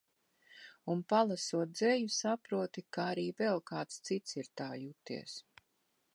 Un, palasot dzeju, saproti, ka arī vēl kāds cits tā ir juties.